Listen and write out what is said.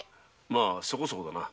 まぁそこそこだな。